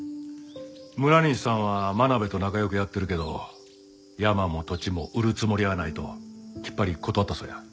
村西さんは真鍋と仲良くやってるけど山も土地も売るつもりはないときっぱり断ったそうや。